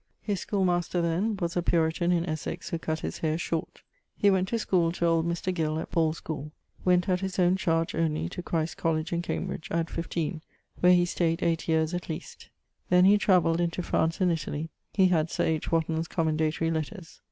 _> His school master then was a Puritan, in Essex, who cutt his haire short. He went to schoole to old Mr. Gill, at Paule's schoole. Went, at his owne chardge only, to Christ's College in Cambridge at fifteen, where he stayed eight yeares at least. Then he travelled into France and Italie ( had Sir H. Wotton's commendatory letters).